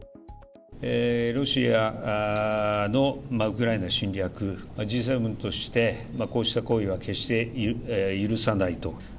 ロシアのウクライナ侵略、Ｇ７として、こうした行為は決して許さないと。